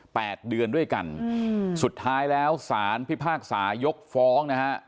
แปดเดือนด้วยกันอืมสุดท้ายแล้วสารพิพากษายกฟ้องนะฮะ